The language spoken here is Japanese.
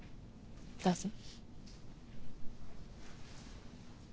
どうぞ。